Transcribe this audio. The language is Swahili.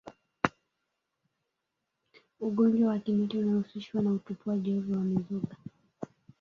Ugonjwa wa kimeta unahusishwa na utupwaji ovyo wa mizoga